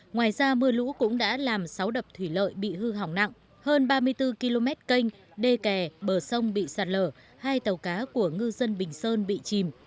ngoài ra mưa lũ cũng đã làm sáu đập thủy lợi bị hư hỏng nặng hơn ba mươi bốn km canh đê kè bờ sông bị sạt lở hai tàu cá của ngư dân bình sơn bị chìm